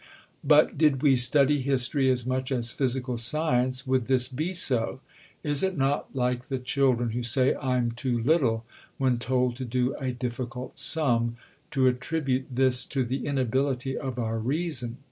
But, did we study history as much as physical science, would this be so? Is it not like the children who say, I'm too little (when told to do a difficult sum), to attribute this to the "inability of our reason."